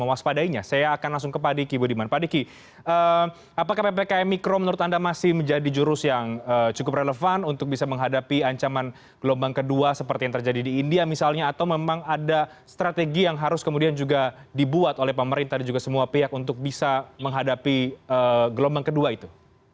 apakah ada strategi yang harus dibuat oleh pemerintah dan pihak untuk menghadapi gelombang kedua itu